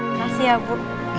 makasih ya bu